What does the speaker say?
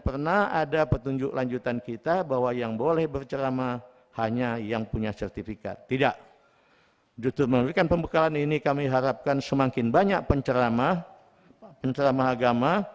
pada tahap awal program ini direncanakan untuk delapan dua ratus pegiat agama islam